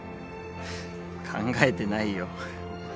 考えてないよ。